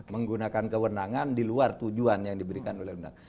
menggunakan kewenangan di luar tujuan yang diberikan oleh undang undang